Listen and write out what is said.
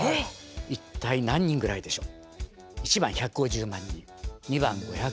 一体何人ぐらいでしょう？